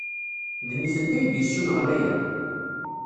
D nitenti ay d-yessunɣen aya?